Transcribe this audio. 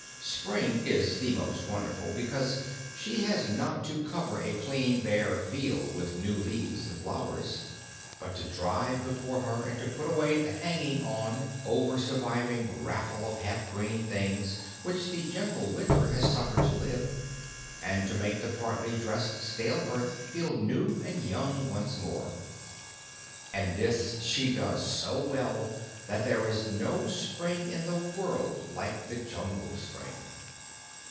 Spring is the most wonderful, because she has not to cover a clean, bare field with new leaves and flowers, but to drive before her and to put away the hanging on, over surviving raffle of half green things which the gentle winter has suffered to live, and to make the partly dressed stale earth feel new and young once more. And this she does so well that there is no spring in the world like the Jungle spring.